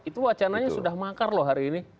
itu wacananya sudah makar loh hari ini